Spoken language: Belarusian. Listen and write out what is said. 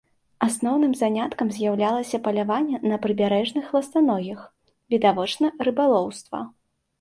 Асноўным заняткам з'яўлялася паляванне на прыбярэжных ластаногіх, відавочна рыбалоўства.